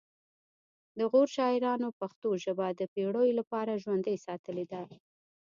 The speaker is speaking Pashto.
د غور شاعرانو پښتو ژبه د پیړیو لپاره ژوندۍ ساتلې ده